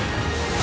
あ！